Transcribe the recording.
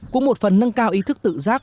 cũng một phần nâng cao ý thức tự giác